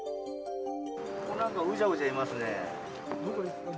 ここなんかうじゃうじゃいますね。